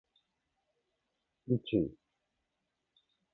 宇宙